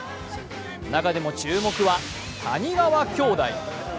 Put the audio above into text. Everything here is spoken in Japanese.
中でも注目は、谷川兄弟。